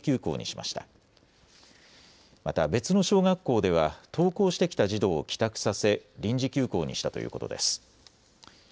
また別の小学校では登校してきた児童を帰宅させ臨時休校にしたということです。